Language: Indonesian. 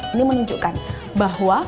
ini menunjukkan bahwa